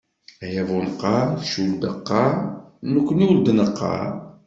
Ay abuneqqar: kečč ur d-qqar, nekkni ur d-neqqar!